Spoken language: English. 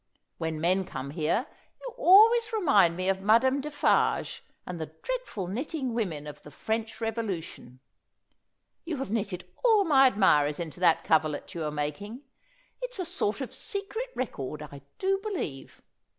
When men come here, you always remind me of Madame Defarge and the dreadful knitting women of the French Revolution. You have knitted all my admirers into that coverlet you are making. It's a sort of secret record, I do believe."